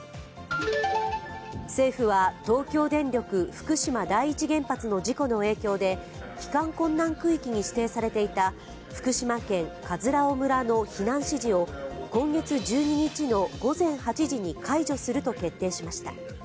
政府は東京電力・福島第一原発の事故の影響で帰還困難区域に指定されていた福島県葛尾村の避難指示を今月１２日の午前８時に解除すると決定しました。